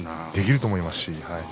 できると思いますし。